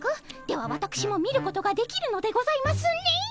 ではわたくしも見ることができるのでございますね。